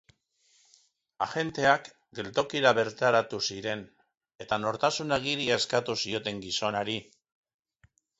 Agenteak geltokira bertaratu ziren, eta nortasun agiria eskatu zioten gizonari.